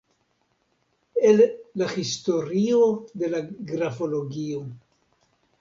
El la historio de la grafologio.